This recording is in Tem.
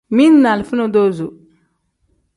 Mili ni alifa nodozo.